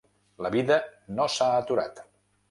La vida no s’ha aturat.